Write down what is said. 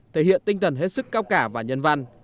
thể hiện tinh thần hết sức cao cả và nhân văn